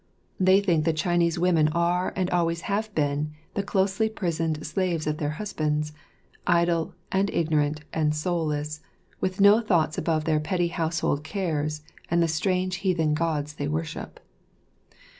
They think that Chinese women are and always have been the closely prisoned slaves of their husbands, idle and ignorant and soulless, with no thoughts above their petty household cares and the strange heathen gods they worship.